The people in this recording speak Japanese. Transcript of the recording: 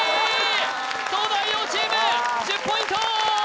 東大王チーム１０ポイント！